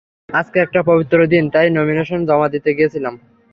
আজকে একটা পবিত্র দিন তাই নমিনেশন জমা দিতে গেছিলাম।